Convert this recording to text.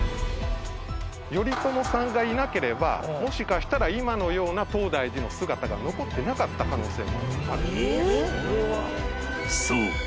頼朝さんがいなければもしかしたら今のような東大寺の姿が残っていなかった可能性もある。